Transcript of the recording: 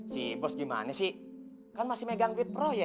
si bos gimana sih kan masih megang duit proyek